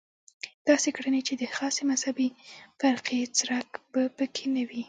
داسې کړنې چې د خاصې مذهبي فرقې څرک به په کې نه وي.